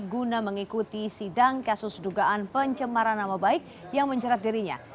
guna mengikuti sidang kasus dugaan pencemaran nama baik yang menjerat dirinya